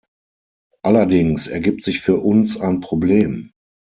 Allerdings ergibt sich für uns ein Problem.